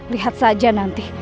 lihat saja nanti